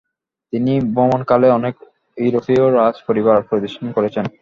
তিনি ভ্রমণকালে অনেক ইউরোপীয় রাজ পরিবার পরিদর্শন করেছেন।